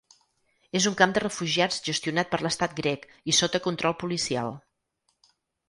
És un camp de refugiats gestionat per l’estat grec i sota control policial.